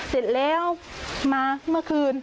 เสร็จแล้วมาเมื่อคืน